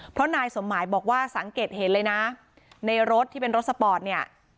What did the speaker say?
เพราะนายสมหมายบอกว่าสังเกตเห็นเลยนะในรถที่เป็นรถสปอร์ตเนี่ย